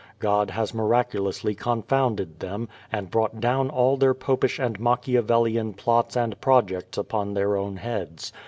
God has miraculously confounded them, and brought down all their popish and Machiavellian plots and projects upon their own heads.